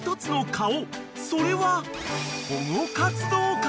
［それは］